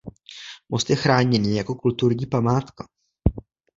Most je chráněný jako kulturní památka.